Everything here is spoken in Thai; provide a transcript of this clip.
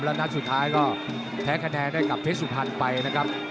แล้วนัดสุดท้ายก็แพ้คะแนนได้กับเพชรสุพรรณไปนะครับ